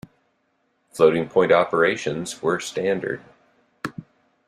Floating point operations were standard.